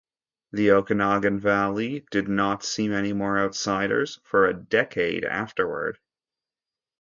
The Okanagan Valley did not see many more outsiders for a decade afterward.